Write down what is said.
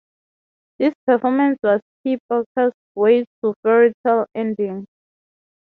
This performance was P. Burke's way to a fairy-tale ending.